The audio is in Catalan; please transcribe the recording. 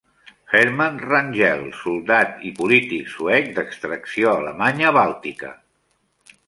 Herman Wrangel, soldat i polític suec d'extracció alemanya bàltica.